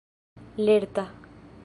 lerta